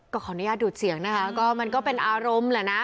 ก็ขออนุญาตกอดเสียงก็เป็นอารมณ์แหละนะ